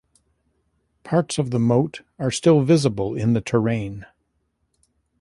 Parts of the moat are still visible in the terrain.